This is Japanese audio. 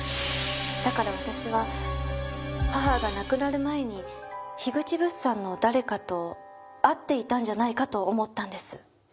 だから私は母が亡くなる前に口物産の誰かと会っていたんじゃないかと思ったんです。